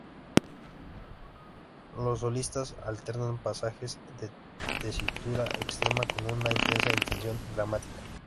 Los solistas alternan pasajes de tesitura extrema con una intensa intención dramática.